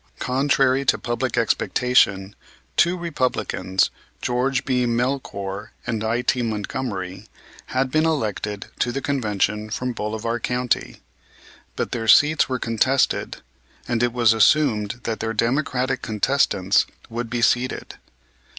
Contrary to public expectation two Republicans, Geo. B. Melchoir and I.T. Montgomery, had been elected to the Convention from Bolivar County. But their seats were contested, and it was assumed that their Democratic contestants would be seated.